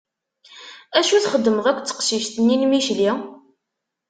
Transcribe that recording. Acu i txeddmeḍ akked teqcict-nni n Micli?